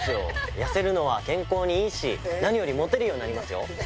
痩せるのは健康にいいし、何よりモテるようになりますよ。